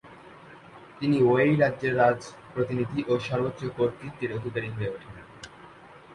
তিনি ওয়েই রাজ্যের রাজপ্রতিনিধি ও সর্বোচ্চ কর্তৃত্বের অধিকারী হয়ে ওঠেন।